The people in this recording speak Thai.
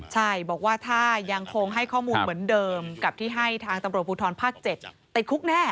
ใช่บอกว่าถ้ายังคงให้ข้อมูลเหมือนเดิมกับที่ให้ทางตำรวจภูทรภาค๗ติดคุกแน่